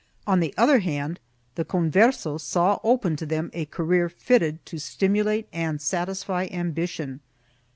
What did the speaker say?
1 On the other hand the Conversos saw opened to them a career fitted to stimulate and satisfy ambition.